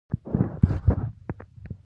د هلك مړى مو راکښته کړ.